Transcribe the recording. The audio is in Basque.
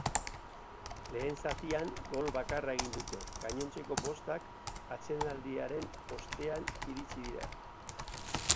Lehen zatia gol bakarra egin dute, gainontzeko bostak atsedenaldiaren ostean iritsi dira.